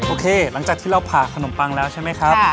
โอเคหลังจากที่เราผ่าขนมปังแล้วใช่ไหมครับ